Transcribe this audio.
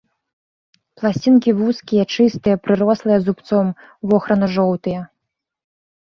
Пласцінкі вузкія, чыстыя, прырослыя зубцом, вохрана-жоўтыя.